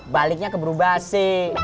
baliknya ke brubasi